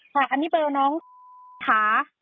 ค่ะอันนี้เบอร์น้องขา